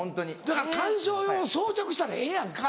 だから観賞用を装着したらええやんか。